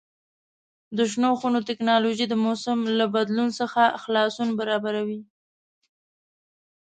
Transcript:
د شنو خونو تکنالوژي د موسم له بدلون څخه خلاصون برابروي.